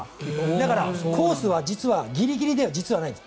だから、コースは実はギリギリでは実はないんです。